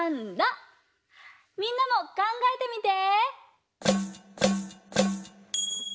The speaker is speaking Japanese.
みんなもかんがえてみて！